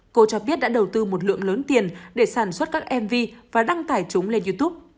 cô cho biết đã đầu tư một lượng lớn tiền để sản xuất các mv và đăng tải chúng lên youtube